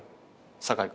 酒井君。